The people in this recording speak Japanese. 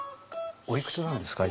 おいくつなんですか？